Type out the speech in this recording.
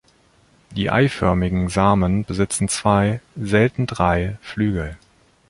Die eiförmigen Samen besitzen zwei, selten drei Flügel.